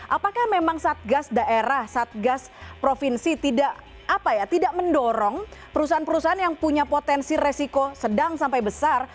apakah memang satgas daerah satgas provinsi tidak mendorong perusahaan perusahaan yang punya potensi resiko sedang sampai besar